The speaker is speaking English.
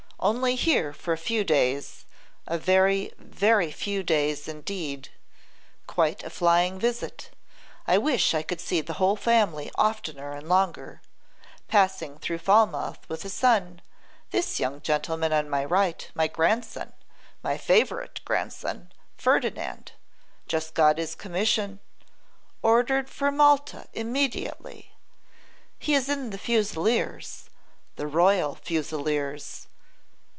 Only here for a few days, a very, very few days indeed. Quite a flying visit. I wish I could see the whole family oftener and longer. Passing through to Falmouth with his son, this young gentleman on my right, my grandson, my favourite grandson, Ferdinand. Just got his commission. Ordered for Malta immediately. He is in the Fusileers, the Royal Fusileers.